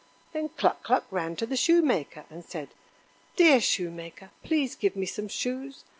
Then Cluck cluck ran to the Shoemaker and said: "Dear Shoemaker, please give me some shoes.